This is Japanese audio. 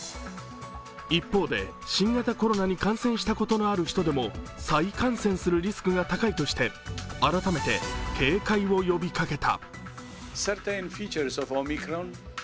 一方で新型コロナに感染したことのある人でも再感染するリスクが高いとして、改めて警戒を呼びかけた。